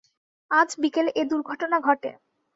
আজ বিকেলে এ দুর্ঘটনা ঘটে।